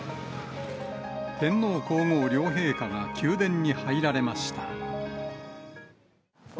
天皇皇后両陛下が宮殿に入られました。